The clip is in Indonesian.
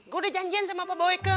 gue udah janjian sama pak boyke